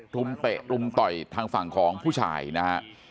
มเตะรุมต่อยทางฝั่งของผู้ชายนะฮะ